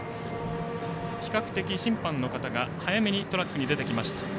比較的、審判の方が早めにトラックに出てきました。